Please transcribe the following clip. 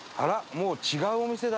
もう違うお店だ。